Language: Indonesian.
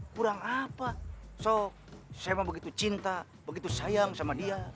kurang apa so saya memang begitu cinta begitu sayang sama dia